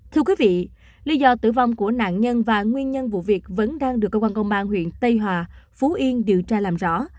thưa quý vị lý do tử vong của nạn nhân và nguyên nhân vụ việc vẫn đang được cơ quan công an huyện tây hòa phú yên điều tra làm rõ